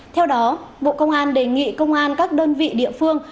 theo đó bộ công an đề nghị công an các đơn vị địa phương